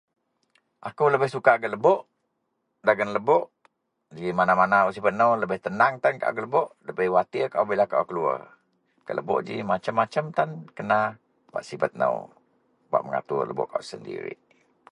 akou lebih suka gak lebok, dagen lebok ji mana-mana wak sibet nou lebih tenang tan gak lebok, debei watir bila au keluar, gak lebok ji macam-macam tan kena wak sibet nou, bak megatur lebok au sendirik